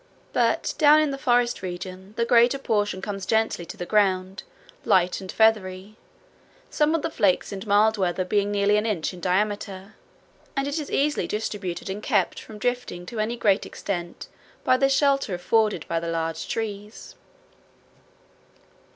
But down in the forest region the greater portion comes gently to the ground, light and feathery, some of the flakes in mild weather being nearly an inch in diameter, and it is evenly distributed and kept from drifting to any great extent by the shelter afforded by the large trees.